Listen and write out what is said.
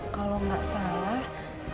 kalau gak salah